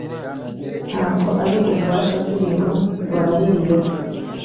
Nta bwo ari ububasha bw’ibintu barahiriyeho,